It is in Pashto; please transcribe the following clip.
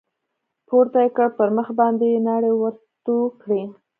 پورته يې كړ پر مخ باندې يې ناړې ورتو کړې.